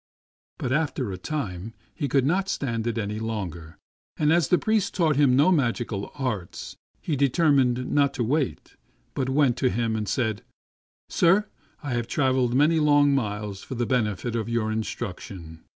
But after a time he could not stand it any longer ; and as the priest taught him no magical arts he determined not to wait, but went to him and said, " Sir, I travelled many long miles for the benefit of your instruction.